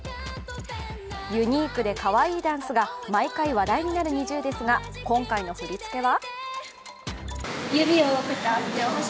ユニークで、かわいいダンスが毎回話題になるＮｉｚｉＵですが今回の振り付けは？